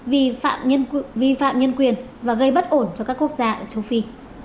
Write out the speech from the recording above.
vì vi phạm nhân quyền và gây bất ổn cho các quốc gia ở châu phi